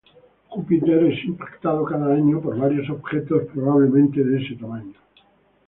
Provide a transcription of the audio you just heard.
Júpiter es impactado cada año, por varios objetos probablemente de este tamaño.